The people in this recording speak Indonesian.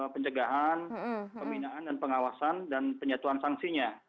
pencegahan pembinaan dan pengawasan dan penyatuan sanksinya